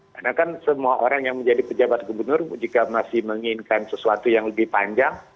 karena kan semua orang yang menjadi pejabat gubernur jika masih menginginkan sesuatu yang lebih panjang